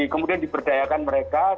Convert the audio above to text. kemudian diberdayakan mereka